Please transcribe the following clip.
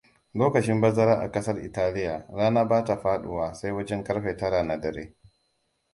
Lokacin bazara a ƙasar Italiya, rana bata faɗuwa sai wajen ƙarfe tara na dare.